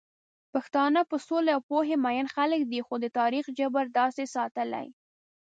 پښتانه په سولې او پوهې مئين خلک دي، خو د تاريخ جبر داسې ساتلي